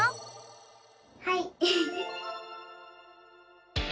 はい！